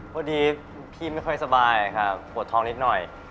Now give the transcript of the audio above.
พอดีพี่ไม่ค่อยสบายครับปวดท้องนิดหน่อย